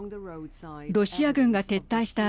ロシア軍が撤退した